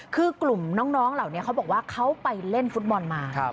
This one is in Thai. คือกลุ่มน้องเหล่านี้เขาบอกว่าเขาไปเล่นฟุตบอลมา